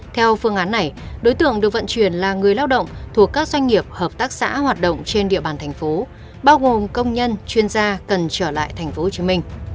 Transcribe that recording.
theo phương án này đối tượng được vận chuyển là người lao động thuộc các doanh nghiệp hợp tác xã hoạt động trên địa bàn thành phố bao gồm công nhân chuyên gia cần trở lại tp hcm